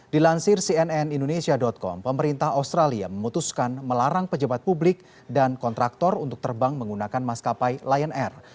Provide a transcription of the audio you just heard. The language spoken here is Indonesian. dilansir cnn indonesia com pemerintah australia memutuskan melarang pejabat publik dan kontraktor untuk terbang menggunakan maskapai lion air